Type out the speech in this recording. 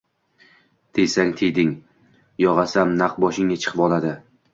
Tiysang, tiyding, yo‘g‘asam naq boshingga chiqvoladi.